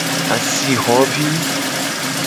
Asixo vi.